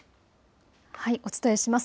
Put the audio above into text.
お伝えします。